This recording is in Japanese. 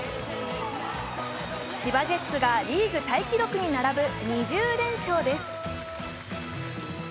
千葉ジェッツがリーグタイ記録に並ぶ２０連勝です。